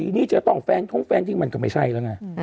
ทีนี้จะต้องแฟนท้องแฟนทิ้งมันก็ไม่ใช่แล้วไง